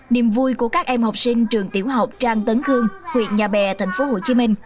niềm vui của các em học sinh trường tiểu học trang tấn khương huyện nhà bè tp hcm